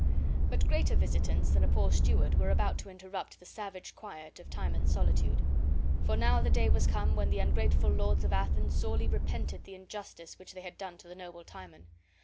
But greater visitants than a poor steward were about to interrupt the savage quiet of Timon's solitude. For now the day was come when the ungrateful lords of Athens sorely repented the injustice which they had done to the noble Timon.